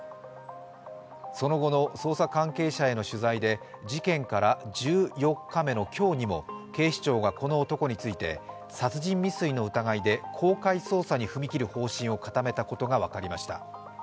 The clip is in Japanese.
その後の捜査関係者への取材で事件から１４日目の今日にも警視庁がこの男について殺人未遂の疑いで公開捜査に踏み切る方針を固めたことが分かりました。